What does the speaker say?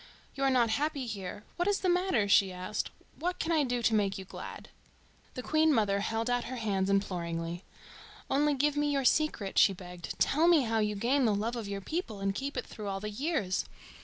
"You are not happy here. What is the matter?" she asked. "What can I do to make you glad?" The Queen mother held out her hands imploringly. "Only give me your secret," she begged. "Tell me how you gain the love of your people and keep it through all the years.